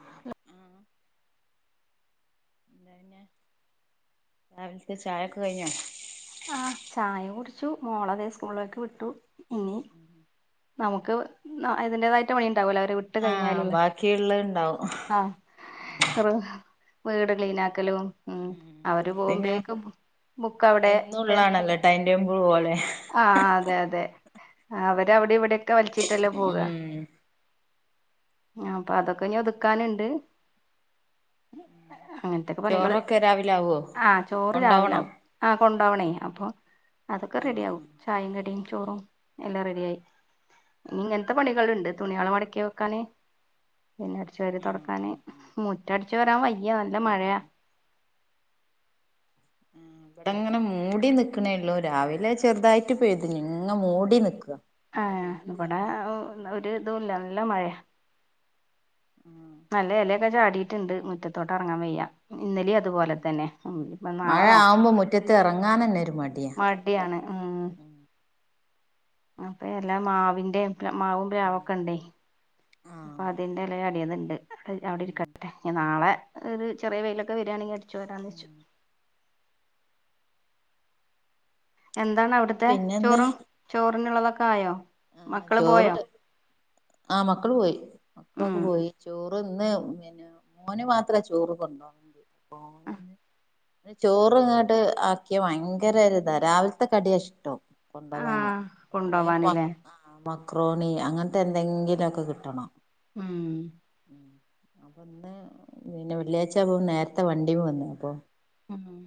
ഹാ ലോ ആഹ് എന്താ പിന്നെ രാവില്ത്തെ ചായൊക്കെ കഴിഞ്ഞോ ആഹ് ചായ കുടിച്ചു. മോളെ ദേ സ്കൂളിലേക്ക് വിട്ടു. ഇനി നമുക്ക് ന്ന അതിന്റതായിട്ട് പണിയുണ്ടാവല്ലോ അവരെ വിട്ട് ആഹ് കഴിഞ്ഞാല്ള്ള ബാക്കിയുള്ളത് ഇണ്ടാവും ആഹ് റ് വീട് ക്ലീനാക്കലും ഉം അവര് പിന്നെ പോകുമ്പേക്കും ബുക്ക് അവിടെ പെ ടൈംടേബിള് പോലെ ആഹ് അതെ അതെ അവര് അവിടിം ഇവിടൊക്കെ വലിച്ചിട്ടല്ലേ പോവാ. ഉം ഞാപ്പൊ അതൊക്കെഞ് ഒതുക്കാന്ണ്ട്. അങ്ങനത്തെക്കെ പണികള് ചോറൊക്കെ രാവിലെ ആവോ ആഹ് ചോറ് രാവിലെ കൊണ്ടോവണോ ആവും. ആഹ് കൊണ്ടോവണേയ്. അപ്പം അതൊക്കെ ആഹ് റെഡിയാവും. ആഹ് ചായിം കടീം ചോറും. എല്ലാം റെഡിയായി. ഇനി ഇങ്ങൻത്തെ പണികള്ണ്ട് തുണിയാള് മടക്കി വെക്കാന്. പിന്നെ അടിച്ച് വാരി ആഹ് തൊടക്കാന്, ആഹ് ആഹ് മുറ്റടിച്ചു വാരാൻ വയ്യ. നല്ല മഴയാ. [inaudible] ടെങ്ങനെ മൂടി നിക്ക്ണേള്ളൂ. രാവിലെ ചെറ്തായിട്ട് പെയ്തിനി. ഇങ്ങ മൂടി നിക്കാ. ഏഹ്. ഇബടെ ഒ ഒര്തുല്ല നല്ല മഴയാ. ആഹ് നല്ല എലെക്കെ ചാടീട്ട്ണ്ട് മുറ്റത്തോട്ട് എറങ്ങാൻ വയ്യ. ഇന്നലി അ തുപോലെ ഉം തന്നെ ഉം ഇപ്പ മഴ നാളെ നോ ആവുമ്പോ മുറ്റത്ത് ഇറങ്ങാൻ തന്നെ ഒരു മടിയാ മ ടിയാണ് ഉം അപ്പ എല മാവിന്റേം പിന്നെ മാവും ഉം പ്ലാവൊക്കെ ണ്ടേയ് ആഹ് അപ്പം അതിന്റെല ചാടിയത് ണ്ട് അത് അവിടെ ഉം ഇരിക്കട്ടേ ഞ്ഞി നാളെ ഒരു ചെറിയ വെയിലൊക്കെ വരാണെങ്കി അടിച്ച് വാരാന്ന് വെച്ചു ഉം എന്താണ് അവിട്ത്തെ പിന്നെന്താ ചോറും ചോറിനുള്ളതൊക്കെ ആയോ ആഹ് മക്കള് പോയോ ചോറൊര്, ആഹ് മക്കള് പോയി. മക്കളൊക്കെ ഉം പോയി. ചോ റ് ന്ന് പിന്നെ മോന് മാത്രേ ചോറ് കൊണ്ടോണ് [inaudible] ഓന് ചോറ് ഇങ്ങട് ആക്കിയാ ഭയങ്കര ഒരിതാ രാവില്ത്തെ കടിയാ ഇഷ്ടം കൊണ്ടോവാന്. ആഹ് അല്ലേ പിന്നെ മക് കൊണ്ടോവാന്ല്ലേ ആഹ് മക്രോണി അങ്ങൻത്തെ എന്തെങ്കിലൊക്കെ കിട്ടണം. ഉം ഉം അപ്പ ന്ന് പിന്നെ വെള്ളിയായ്ച്ചായപ്പം നേരത്തെ വണ്ടീം വന്ന്. അപ്പം ഉം ഉം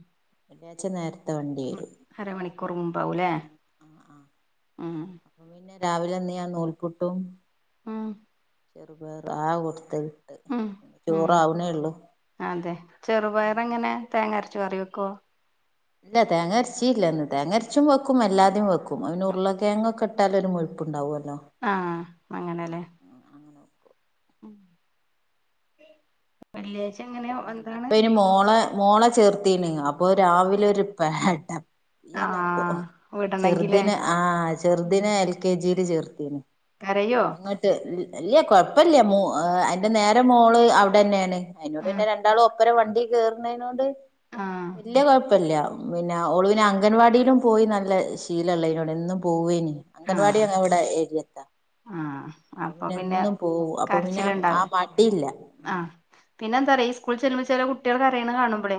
വെള്ളിയാഴ്ച്ച നേരത്തെ വണ്ടി വരും അര മണിക്കൂറ് മുമ്പാവുലേ. ഉം. രാവിലെന്ന് ഞാൻ നൂൽ പുട്ടും ആഹ് ചെറുപയറും ആഹ് കൊട്ത്തെ കിട്ടാ. ഉം ഉം ചോറാവ്‌ണേള്ളു. അതെ. ചെറുപയറെങ്ങനെ തേങ്ങ ര്ച്ചു കറിവെക്കോ? ല്ല തേങ്ങര്ച്ചീല്ലന്ന്. തേങ്ങര്ച്ചും വെക്കും. എല്ലാതെം വെക്കും. അയിന് ഉർളകേങ്ങൊക്കെ ട്ടാലൊര് മുഴുപ്പ്ണ്ടാവൊല്ലോ ആഹ്. അങ്ങനെലേ. വെക്കും വെള്ളിയാഴ്ച എങ്ങനെ വ് എന്താണ് ഇപ്പൊ ഇനി ബീഫൊ മോളെ മോളെ ചേർത്തീണ് അപ്പൊ രാവിലൊര് പെട യലാപ്പൊ. ആഹ് വിടണെങ്കിലേ ചെർതിനെ ആഹ് ചെർതിനെ എൽ കെ ജിയില് ചേർത്തീന്. കരയോ അപ്പങ്ങ ട്ട് ഇൽ ഇല്ല്യ കൊഴപ്പല്ല്യ. മോ അതിന്റെ നേരെ മോള് അവ്ടെ ന്നേണ്. അയിനോ പിന്നെ ആഹ് രണ്ടാളും ഒപ്പരം വണ്ടീ കേർണേനോണ്ട് ആഹ് വല്ല്യ കൊഴപ്പല്ല്യ. പിന്നെ ഒളു. വിനെ അംഗൻവാടിയിലും പോയി നല്ല ശീല ള്ളേയ്നോട് എന്നും പോവ്വേനി. അംഗൻവാടി ആഹ് യങ് വടെ എര്യത്താ. അപ്പൊ പിന്നെ എന്നും പോവും. അപ്പൊ പിന്നെ ആ ആ കരച്ചില്ണ്ടാവൂല മടില്ല. ആഹ്. പിന്നെന്താറിയൊ ഈ സ്കൂൾ ചെല്ലുമ ഈ ചെല കുട്ട്യേള് കരയ്ണ കാണ് മ്പളേ.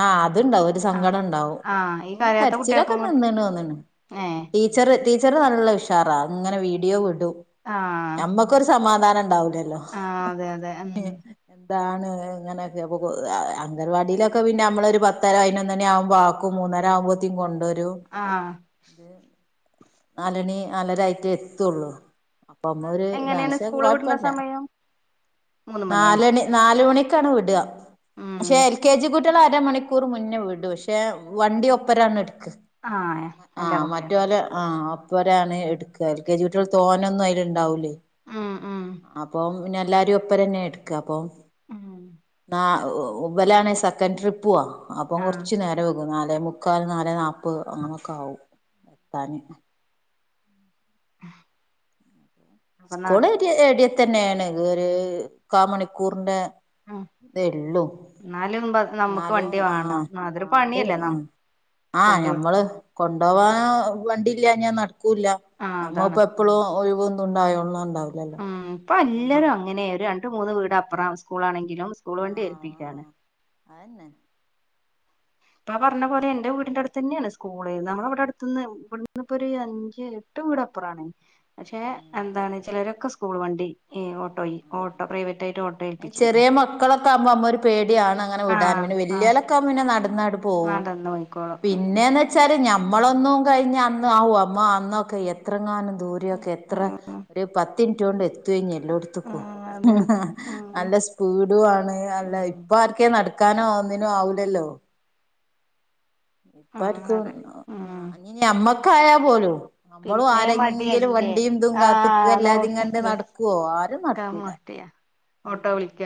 ആഹ് അത്ണ്ടാവും. ഒര് സങ്കടം ഉണ്ടാവും. ആഹ് ഈ ന്നെ കരയാത്ത കര്ച്ചീലൊക്കെ കുട്ടികൾക്കും കൂടെ നിന്ന് ണോന്ന്ണ്. ഏഹ് ടീച്ചറ് ടീച്ചറ് നല്ല ഉഷാറാ. ങ്ങനെ വീഡിയോ വിടും. ആഹ് ഞമ്മക്കൊര് സമാധാനം ണ്ടാവൂലല്ലോ? ആ അതെ അതെ ഉം എഹ് ന്താണ് ഇങ്ങനൊക്കെ അപ്പൊ അ അംഗൻവാടിയിലൊ ക്കെ പിന്നെ അമ്മള് ഒരു പത്തര, പൈനൊന്നണി ആവ്മ്പൊ ആക്കും. മൂന്നര ആകുമ്പോത്തിം കൊണ്ടരും. ആഹ് ത് നാലെണി, നാലരായിട്ടേ എത്തൊള്ളു പ്പൊ മ്മൊര് താ. എങ്ങനെയാണ് ക്ഷെ സ്കൂള് വിടുന്ന കൊഴപ്പല്ല. സമയം മൂന്ന് മണിയാ നാലെണി നാല് മണിക്കാണ് വ്ടാ. ഉം ക്ഷെ എൽ കെ ജി കു ട്ട്യളെ അരമണിക്കൂറ് മുന്നേ വിടും. പക്ഷെ വണ്ടി ഒപ്പരാണ് എട്ക്കാ. ആ എല്ലാ ആഹ് കുട്ടികളും മറ്റോലെ ആഹ് അ പ്പൊരാണ് എട്ക്കാ. എൽ കെ ജി കുട്ട്യൾ തോനൊന്നും അയില് ണ്ടാവൂലേ. ഉം ഉം അപ്പം പിന്നെ അല്ലാരും ഒപ്പരെന്നേട്ക്കാ. അപ്പൊ ഉം ന്നാ ഒ വലാണെ സ ക്കെറ്റ് ട്രിപ്പാ. അപ്പം ആ കൊർച്ച് നേരം വെകും. നാലേ മുക്ക ക്കാൽ നാലേ നാപ്പ് അങ്ങനെക്കെ ആവും ത്താന്. അപ്പൊ ന സ്കൂൾ എരി എര്യത്തന്നേണ്. ഒര് കാ മണിക്കൂർന്റെ തെള്ളൂ. ന്നാലും ബ ന്നാലും ആഹ് ആഹ് ണ്ടി ആഹ്. നമുക്ക് ആഹ് കൊണ്ട് ഞമ്മള് കൊണ്ടോവാ വണ്ടില്ല്യാഞ്ഞാ നട്ക്കൂല്ല. ആ അതാണ് ഞമ്മപ്പൊ പ്പളും ഒഴിവൊന്തും ണ്ടായോൾണം ണ്ടാവു ഉം. പ്പൊ ല്ലാരും അങ്ങനെ. ഒര് രണ്ട്, മൂന്ന് വീട് അപ്പറാവും സ്കൂളാണെങ്കിലും സ്കൂള് വണ്ടി ഏൽപ്പിക്കാണ്. ആന്നെ. പ്പാ പർഞ്ഞ പോലെ എന്റെ വീട്ൻ്റെ അട്ത്തന്നേണ് സ്കൂള്. ന്നാമ്മളെ വ്‌ടെ അട്ത്ത്ന്ന് വട്ന്ന്പ്പൊര് അഞ്ച് ട്ട് വീടപ്പറാണ്. പക്ഷെ ഉം എന്താണ് ചെലരൊക്കെ സ്കൂൾ വണ്ടി. ഈ ഓട്ടോയി ഓട്ടോ പ്രൈവറ്റായിട്ട് ഓട്ടോ ഏൽപ്പിച്ചിരിക്ക്ണ് ക്ക ആക്മ്പോ അമ്മൊര് പേടിയാണങ്ങനെ വ്ടാന്. ആഹ് പിന്നെ വെല്യോലൊക്കാകുമ്പം പിന്നെ നട്ന്നാണ്ട് പോവും. ന്ന് പോയ്ക്കോളും. പിന്നേന്ന് വെച്ചാല് ഞമ്മളൊന്നും കഴിഞ്ഞ അന്ന് ആഹു അമ്മ അന്നൊക്കെ എത്രങ്ങാനും ദൂരൊക്കെ എത്ര ര് പത്തിൻറ്റോണ്ട് എത്തോനി എല്ലോട്ത്ത്ക്കും. ഉം അതെ അതെ ഉം നല്ല സ്പീഡും ആണ് അല്ല ഉം ഇപ്പ ആർക്കെ നടക്കാനോ ഒന്നിനും ആവൂല്ലല്ലോ. ഉം ഇപ്പർക്കും അതെ ഉം ഇഞ് ഞമ്മക്ക് ആയ പോലും നമ്മളും പിന്നെ ആരെങ്കിലും മടിയല്ലേ വണ്ടിയുംതും ആഹ് കാത്തിക്ക അല്ലാതി ഇങ്ങണ്ട് നോക്കത് നടക്കുവോ ആരും നടക്കാൻ നടക്കൂല ഓട്ടോ ഉം വിളിക്ക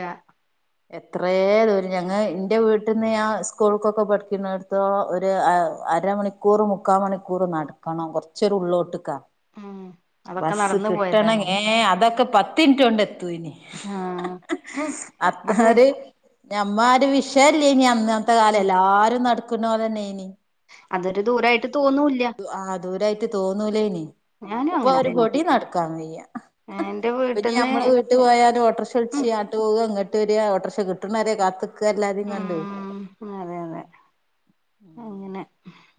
എത്രേ ദൂരം ഞങ്ങ എന്റെ വീട്ടിൽന്ന് ആ സ്കൂൾക്കൊക്കെ പഠിക്കുന്നടുത്തോള ഒരു അരമണിക്കൂർ മുക്കാൽ മണിക്കൂർ നടക്കണം കുറച്ചരു ഉള്ളോട്ട്ക്കാ ഉം അതൊക്കെ ബസ്സ് നടന്നു കിട്ടണ പോയതാല്ലേ ഏ അതൊക്കെ പത്തിൻറ്റ കൊണ്ട് എത്തുഎനി ആഹ് അത്ര അത് ഒരു നഞമ്മ ഒരു വിഷല്ലേ ഇനി അന്ന് ഇന്നത്തെ കാലം അല്ല ഉം എല്ലാരും നടക്കുന്ന ഓലെന്നെനി അതൊരു ദൂരമായിട്ട് തോന്നൂില്ല ആഹ് ദൂരായിട്ട് തോന്നൂലേനി ഞാനും ഇപ്പൊ അങ്ങനെ ഒരു തന്നെ പൊടി നടക്കാൻയ്യ എന്റെ ഇനി വീട്ടിന്ന് നഞമ്മള് ഇട്ട് പോയാലും ഓട്ടറിക്ഷ വിളിച്ച ഉം അങ്ങോട്ട്‌ പോവുക ഇങ്ങോട്ട് വരിക ഓട്ടോറിക്ഷ കിട്ടണരെേ കാത്തക്ക എല്ലാരും കണ്ട് ഉം അതെ അതെ ഉം അങ്ങനെ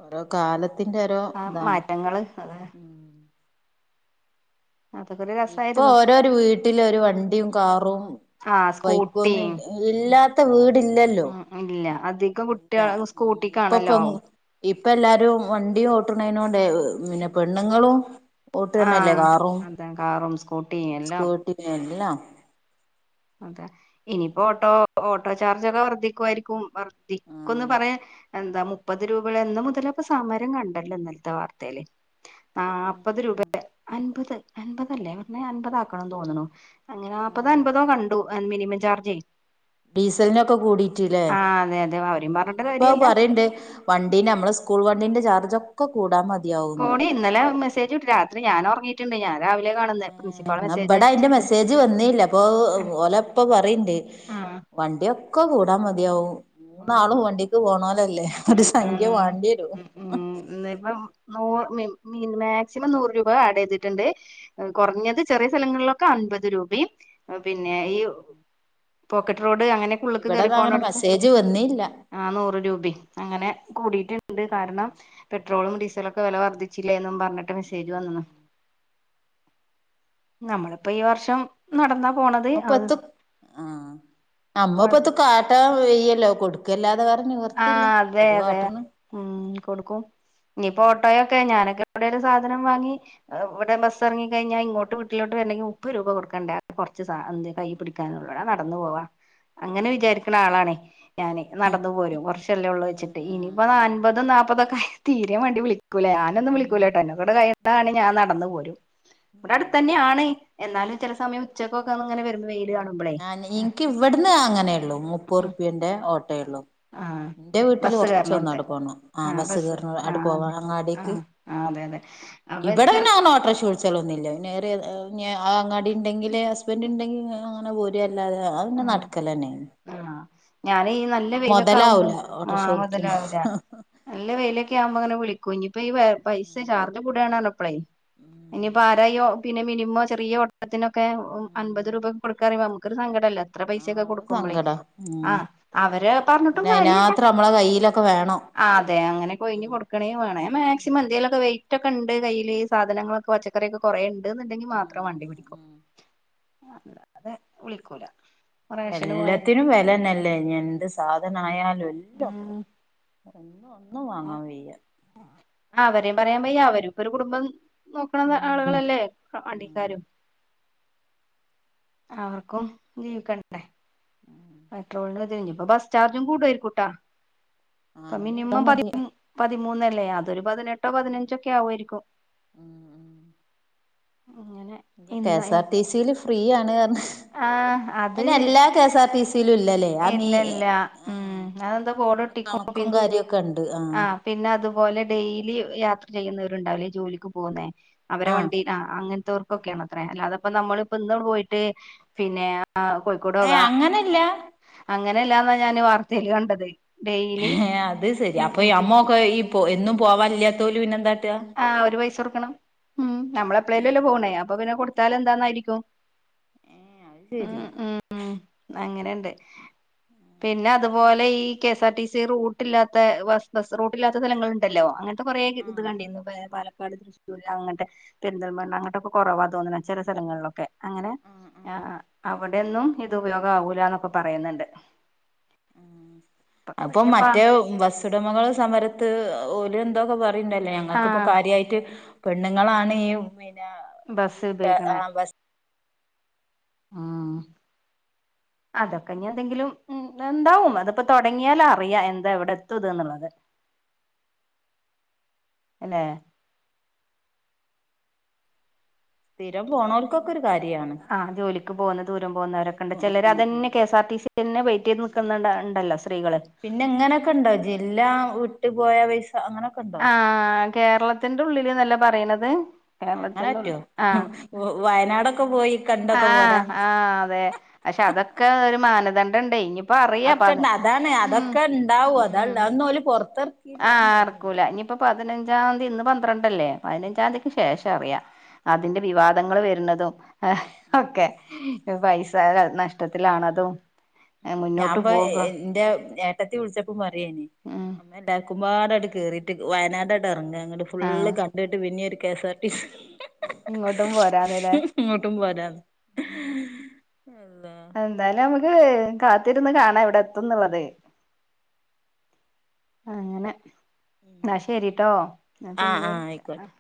ഓരോ കാലത്തിന്റെ ഓരോ ആ ഇതാണ് മാറ്റങ്ങൾ അതെ അതൊക്കെ ഒരു ഇപ്പൊ രസായിരുന്നു ഓരോരു വീട്ടില് ഒരു വണ്ടിയും കാറും ആ സ്കൂട്ടിം ബൈക്കൊന്നും ഉം ഇല്ലാത്ത വീടില്ലല്ലോ ഉം ഇല്ല അത് ഇല്ല ഇപ്പൊ പൊ ഇപ്പ എല്ലാരും വണ്ടിയ ഓട്ടണേന കൊണ്ട്ന്നെ പെണ്ണുങ്ങളും ഓട്ട് തന്നെ അല്ലേ ആഹ് കാറും അതെ കാറും സ്കൂട്ടിയും എല്ലാം സ്കൂട്ടി എല്ലാം അതെ ഇനിയിപ്പോ ഓട്ടോ ഓട്ടോ ചാർജ് ഒക്കെ വർദ്ധിക്കുായിരിക്കും വർദ്ധിക്കന്ന് ആഹ് പറ എന്താ മുപ്പത് രൂപകളന്ന് എന്ന്മുതലപ്പ സമരം കണ്ടല്ലോ ഇന്നലത്തെ വാർത്തൽ നാല്പ്പത് രൂപ ആഹ് അൻപത് അൻപത്ല്ലേ പറഞ്ഞ അൻപത ആാക്കണം തോന്നണു അങ്ങനെ നല്പതോ അൻപതോ കണ്ട മിനിമം ചാർജ് ഡീസലിനൊക്കെ കൂടിട്ടില്ലേ ആഹ് അതെ അതെ അവരേം പറഞ്ഞിട്ട് ഇനിയിപ്പോ കാര്യല്ല പറയണ്ട് വണ്ടീ നമ്മള് സ്കൂൾ വണ്ടീന്റെ ചാർജ് ഒക്കെ കൂടാൻ മതിയാവുന്നു കോടി ഇന്നലെ മെസേജ് വീട്ടിനി രാത്രി ഞാനൻറങ്ങിട്ട് ണ്ട് ഞാൻ രാവിലെ കാണുന്ന പ്രിൻസിപ്പാൾ എന്നാ മെസ്സേജ് ഇവിടെ അതിന്റെ അയച്ചിട്ട് മെസ്സേജ് വന്നില്ല അപ്പൊ ആ ഓലപ്പ പറയണ്ട് ആഹ് വണ്ടിയൊക്കെ കൂടാ മതിയാവും ഉം ഉം മൂന്നാളും വണ്ടിക്ക് പോണലല്ലേ ഒരു സംഖ്യ വണ്ടിരും ഉ ഇപ്പ നൂ മാക്സിമം നൂറ് രൂപ ആഡ് ചെയ്തിട്ടുണ്ട് കുറഞ്ഞത് ചെറിയ സ്ഥലങ്ങളിലൊക്കെ അൻപത് രൂപയും പിന്നെ ഈ പോക്കറ്റ് റോഡ് അങ്ങനെ ഇവിടന്ന അങ്ങനെ മെസ്സേജ് വന്നില്ല ആ നൂറ് രൂപ അങ്ങനെ കൂടിട്ട് ണ്ട് കാരണം പെട്രോളും ഡീസലൊക്കെ വില വർദ്ധിച്ചില്ലേ എന്നും പറഞ്ഞിട്ട് മെസ്സേജ് വന്നു നമ്മളിപ്പോ ഈ വർഷം നടന്നാ പോണ നമ്മ പത്ത് ആ നമ്മ കൊഴ പത്ത് കാട്ട വെയ്യല്ലോ കൊടുക്കും കൊട്ക്കല്ലാെതെ വേറെ നിവർത്തി ആഹ് അതെ അതെ ഉം കൊടുക്കും ഇനിപ്പോ ട്ടോയൊക്കെ ഞാനൊക്കെവിടെ ഒരു സധനം വാങ്ങി ഇവിടെ ബസ് ഇറങ്ങി കഴിഞ്ഞാൽ ഇങ്ങോട്ട് വീട്ടിലോട്ട് വരണ്ടെിൽ മുപ്പത് രൂപ കൊടുക്കണ്ട കുറച്ച് കൈ പിടി ന നടന്ന പോവാ അങ്ങനെ വിചാരിക്കണ ആളാണേ ഞാന് നടന്ന പോരും കുറച്ചല്ലേ ഉള്ള ആ വെച്ചിട്ട് ആ ഇനിയിപ്പൊ ആ അമ്പത് നാല്പ്പതൊക്കെ തീരെ വണ്ടി വിളിക്കുല വിളിക്കൂലേ ഞാനൊന്നും ഉം വിളിക്കൂലേ ട്ടന്ന കൂടെ കഴയണതാണെങ്കി ഞാൻ നടന്ന പോരും ഉം ഇവിടെ ഉം അടുത്തന്നെയാണ് എന്നാലും ചില സമയ ഉച്ചക്കെ അങ്ങനെ വരും ആ നി ഇനിക്ക് ഇവിട്ന്ന് അങ്ങനെ ഉള്ളൂ മുപ്പത് റുപ്പ്യേന്റെ ഓട്ടോള്ളൂ ആഹ് ഇന്റെ വീട്ടില് ബസ് കേറണോടത്ത് കുറച്ചൊന്ന് അവിടെ പോണം ആ ബസ്സ് കേറണ അവിടെ പോണം അങ്ങാടീക്ക് ആഹ് അതെ അതെ അപ്പൊ ഇബടെ പിന്നനോട്രഷ വിള ച്ചളന്നുല്ല പിന്നേറിയ ആ അങ്ങാടി ഇണ്ടെങ്കിൽ ഹസ്ബന്റ് ഇണ്ടെങ്കിൽ അങ്ങനെ പോരഅല്ലാത അതെപിന്നെ നടക്കല ന്നെണ് ആഹ് ഞാനീ ഈ നല്ല വെയിലൊക്കെ ആവുമ്പോ മുതലാവൂല ഓട്ടോറിക്ഷ ആഹ് വിളിക്കണ മോതലാവൂല നല്ല വെയിലൊക്കെ ആകുമ്പോ ഇങ്ങനെവിളിക്കും ഇഞ്ഞിപ്പോ ഈ പൈസ ചാർജ് കൂടാണ്ന്ന് പറഞ്ഞപ്പാളെ ഇനിപ്പോ ആര ഇ പിന്നെ മിനിമോ ചെറിയ ഓട്ടത്തിനൊക്കെ അൻപത് രൂപക്കെ കൊടുക്കാറമ്പോ ക്കരു സങ്കടല്ലേ ഇത്ര ആ പൈസക്കെ അത് കൊടുക്കുമ്പോളേ സങ്കടാ ഉം ആഹ് അവര് പറഞ്ഞിട്ടും പിന്നെ കാര്യല്ല അതിനാത്രം നമ്മളെ കയ്യിലൊക്കെ വേണം ആഹ് അതെ അങ്ങനെകൊയ്ഞ് ഉം കൊടുക്കേണെവേണെ ഉം മാക്സിമം എന്തെേലുക്കെ വെയിറ്റ് ഒക്കെണ്ട് കയിൽ സാധനങ്ങളൊക്കെ പച്ചക്കറിയൊക്കെ കുറെ ഇണ്ട്ന്നുണ്ടെങ്കി മാത്രം വണ്ടി ഉം പിടിക്കൂ ഉം അല്ലാതെ വിളിക്കൂല റേഷന് പോയ എല്ലാത്തിനും വെലന്നല്ലേ ഇനി എന്ത് സാധനായാലും എല്ലാം ഉം ഒന്ന്ഒന്നും വാങ്ങാൻ വയ്യ അവരേ പറയാൻ പയ്യ അവരും ഇപ്പൊ ഒരു കുടുംബം നോക്ണ ഉം ആളുകളല്ലേ വണ്ടിക്കാരും അവർക്കും ജീവിക്കണ്ടേ [unintelligible] പെട്രോളിന് ഇപ്പൊ ബസ് ചാർജും കൂടുആയിരിക്കൂട്ടോ ആഹ് ഇപ്പൊ ഇഞ്ഞ് കൂടെ മിനിമം പതി മതി മു പതിമൂന്നല്ലേ അതൊരു പതിനെട്ടോ പതിനഞ്ചോ ഒക്കെ ആവുആയിരിക്കും ഉം ഉം അങ്ങനെ ത് കെഎസ് ഇന്ന് ആർ ടിസിൽ ഫ്രീ ആണ്ന്നറഞ് ആഹ് അയ്നെല്ലാ കെ സാർ ട്ടി സീ ലും ഇല്ലേലെ ഇല്ല ഇല്ല ഉം അതെന്താ ബോഡോ അയിന് ട്ടിക്കും ഇട്ടിക്കും കണക്കും പിന്ന് കാര്യൊക്കെ ഇണ്ട് ആഹ് പിന്നെ അതുപോലെ ഡെയിലി യാത്ര ചെയ്യുന്നവരുണ്ടാവില്ലേ ജോലിക്ക് പോകുന്നേ അവരെ വണ്ടി ആഹ് അങ്ങനത്തോ ർക്കൊക്കെയാണ് ത്ര അല്ല അല്ലാതെ പ്പോ നമ്മളിപ്പന്ന് പോയിട്ട് പിന്നെ ആഹ് കോഴിക്കോടൊക ഇല്ല അങ്ങനെയല്ലാന്നാ ഞാൻ വാർതേൽ കണ്ടത് ഡെയിലി ഏഹ് അത് ശരി അപ്പൊ ഈ അമ്മൊക്കെ ഈ എന്നും പോവാല്ലാതോലെ പിന്നെ എന്താട്ട ആഹ് അവര് പൈസ കൊടുക്കണം ഉം നമ്മള എപ്പ്ളേലല്ലേ ഏഹ് പോണേ അത് അപ്പൊ ശരി പിന്നെ കൊടുത്താല എന്താന്നായിരിക്കും ഏഹ് അത് ശരി ഉം ഉം അങ്ങനെണ്ട് പിന്നെ അതുപോലെ ഈ കെഎസ് ആർ ടി സി റൂട്ടില്ലാത്ത ബസ് ബസ് റൂട്ടില്ലാത്ത സ്ഥലങ്ങ ഇണ്ടല്ലോ അങ്ങനെ ഇ കുറേ ആഹ് [inaudible] പാലക്കാട് തൃശ്ശൂർ അങ്ങനത്തെ പെരിന്തൽമല അങ്ട്ടൊക്കെ കോറവാ തോന്നണെ ചെലെ സ്ഥലങ്ങളിലൊക്കെ അങ്ങനെ ആഹ് ആ ആഹ് അവിടെന്നും ഇത് ഉപയോഗ ആവൂലന്നൊക്കെ പറയുന്നുണ്ട് ഉ അപ്പൊ പക്ഷെ ഇപ്പ മറ്റേ വസ്സുടമകൾ സമരത്ത് ഓല്എന്താപ്പോ കാട് പിന്നെല്ലെ ആ ഞങ്ങക്കിപ്പോ കാര്യയിട്ട് പെണ്ണുങ്ങളാണ് ഈ ബസ് ഉപയോയിക്കണെ ആഹ് ബസ് ഉം അതൊക്കെ ഇഞ്ഞി എന്തെങ്കിലും ഉ എന്താവും അതിപ്പോ തുടങ്ങിയാല അറിയാം എന്താ എവിടെ എത്തും ഇത് എന്നുള്ളത് അന്നെ സ്ഥിരം പോണൽകൊക്ക് ക്കോരു കാര്യണ് ആഹ് ജോലിക്ക് പോകുന്ന ദൂര പോകുന്നവരൊക്കെണ്ട് ചിലര് അതന്നെ കെഎസ് ആർ ടി സി ന്നെ വയ്ട്ടീത് നിക്ക് ക്ക് ന്ന്ണ്ടല്ലോ ഇ ണ്ടല്ലോ സ്ത്രീകള് ക് ഇണ്ടോ ജില്ലാ വിട്ട് പോയ പൈസ അങ്ങനെ ആഹ കേരളത്തിന്റെ ഉള്ളില്ന്നല്ല പറയണത് ഏഹ് കേരളത്തി അങ്ങനെ ഒന്ന് പറ്റോ ആ വയനാടൊക്കെ പോയി ആ കണ്ടൊക്കെ പോരാ അതെ പക്ഷെ അതൊക്കെ ഒരു മാനദണ്ഡണ്ടേ ഇനി അക്കെണ്ട് അതാണ് അതൊക്കെ ഇണ്ടാവും അതാ ഉം അന്ന പോല പൊറ ആഹ് ഇറക്കൂല ഇനിയിപ്പ പതിനഞ്ചാംയതി ഇന്ന് പന്ത്രണ്ടല്ലേ പതിനഞ്ചാംയതിക്ക് ആഹ് ശേഷം അറിയാ അതിന്റെ വിവാദങ്ങ വരുന്നതു ഒക്കെ ഉം പൈസ നഷ് ത്തിലാണതും ഞാൻപൊ എന്റെ ഏ ട്ടത്തി വിളിച്ചപ്പോ പറയെനി ഉം എല്ലാക്കുമാടായിട്ട് കേറിയിട്ട് വയനാടായങ്ങ് ഇറങ്ങ നിട്ട് ആഹ് ഫുള്ള്കണ്ടിട്ട് പിന്നെരു K S R T C ഇങ്ങോട്ടും പോരാന്നല്ലേ ഇങ്ങോട്ടും പോരാന്ന് അള്ളാ എന്തായാലും നമുക്ക് കാത്തിരുന്ന് കാണാം എവ്ടെ തുന്നുള്ളതേ ഉം അങ്ങനെ ഉം ന്നാ ശെരിട്ടോ ഞാൻ ആഹ് പിന്നെ ആഹ് ആയിക്കോട്ടെ വിളിക്ക